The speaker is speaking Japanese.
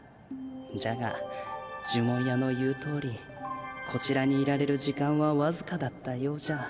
じゃが呪文屋の言うとおりこちらにいられる時間はわずかだったようじゃ。